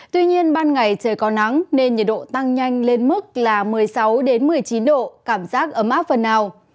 tuy nhiên ban ngày trời có nắng nên nhiệt độ tăng nhanh lên mức là một mươi sáu một mươi chín độ cảm giác ấm áp phần nào